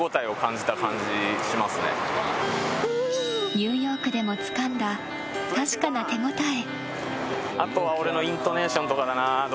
ニューヨークでもつかんだ確かな手応え。